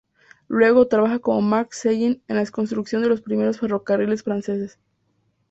Luego, trabaja con Marc Seguin en la construcción de los primeros ferrocarriles franceses.